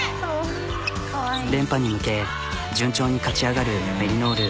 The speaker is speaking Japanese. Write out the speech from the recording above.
連覇に向け順調に勝ち上がるメリノール。